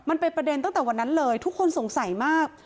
มันเป็นประเด็นตั้งแต่วันนั้นเลยทุกคนสงสัยมาก